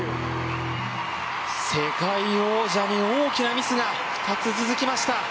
世界王者に大きなミスが２つ続きました。